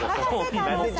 太郎さん。